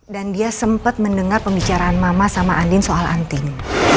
dan dia sempet mendengar pembicaraan mama sama andin soal anting